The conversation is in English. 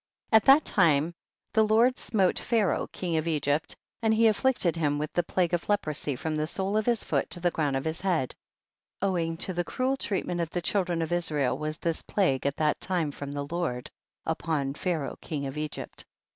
25. At that time the Lord smote Pharaoh king of Egypt, and he af flicted him with the plague of lepro sy from the sole of his foot to the crown of his head ; owing to the cruel treatment of the children of Israel was this plague at that time from the Lord upon Pharaoh king of Egypt.